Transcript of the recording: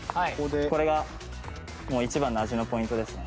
これがもう一番の味のポイントですね。